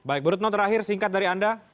baik bu retno terakhir singkat dari anda